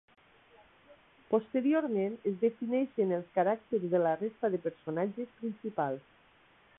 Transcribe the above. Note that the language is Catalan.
Posteriorment, es defineixen els caràcters de la resta de personatges principals.